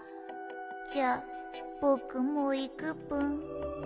じゃあぼくもういくぷん。